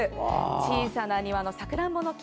小さな庭のさくらんぼの木。